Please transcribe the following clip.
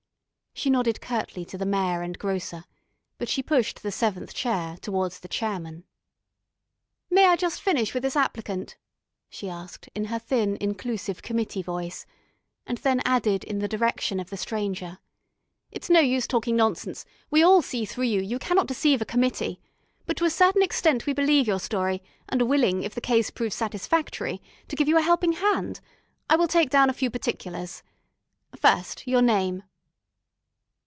She nodded curtly to the Mayor and grocer, but she pushed the seventh chair towards the Chairman. "May I just finish with this applicant?" she asked in her thin inclusive committee voice, and then added in the direction of the Stranger: "It's no use talking nonsense. We all see through you, you cannot deceive a committee. But to a certain extent we believe your story, and are willing, if the case proves satisfactory, to give you a helping hand. I will take down a few particulars. First your name?"